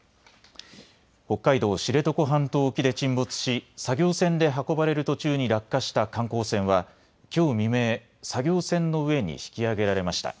北海道・知床半島沖で沈没し作業船で運ばれる途中に落下した観光船は、きょう未明、作業船の上に引き揚げられました。